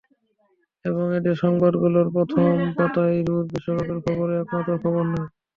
এবং এদের সংবাদপত্রগুলোর প্রথম পাতায় রোজ বিশ্বকাপের খবরই একমাত্র খবর নয়।